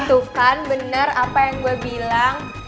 tuh kan benar apa yang gue bilang